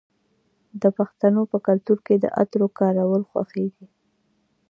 د پښتنو په کلتور کې د عطرو کارول خوښیږي.